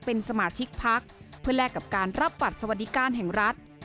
เพื่อแลกกับการรับบัตรสวัสดิการแห่งรัฐ